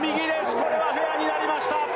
これはフェアになりました。